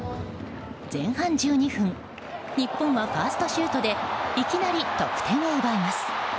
前半１２分、日本はファーストシュートでいきなり得点を奪います。